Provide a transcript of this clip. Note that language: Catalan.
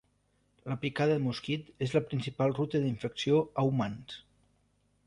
La picada de mosquits és la principal ruta d'infecció a humans.